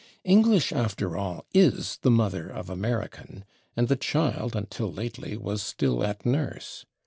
English, after all, is the mother of American, and the child, until lately, was still at nurse.